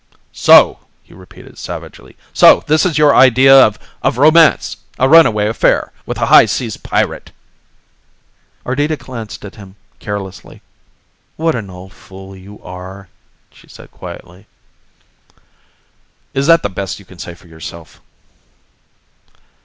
"So," he repeated savagely. "So this is your idea of of romance. A runaway affair, with a high seas pirate." Ardita glanced at him carelessly. "What an old fool you are!" she said quietly. "Is that the best you can say for yourself?"